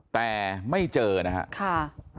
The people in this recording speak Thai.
แต่ไม่เจอนะครับ